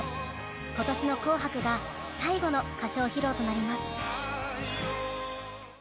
今年の「紅白」が最後の歌唱披露となります。